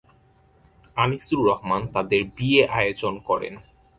আনিসুর রহমান তাদের বিয়ে আয়োজন করেন।